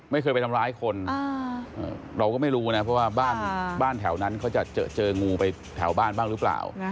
ไม่เคยไปทำร้ายคนเราก็ไม่รู้นะเพราะว่าบ้านแถวนั้นเขาจะเจองูไปแถวบ้านบ้างหรือเปล่า